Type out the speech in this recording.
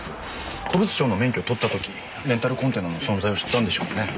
古物商の免許を取った時レンタルコンテナの存在を知ったんでしょうね。